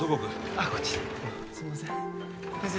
あっこっちですんません先生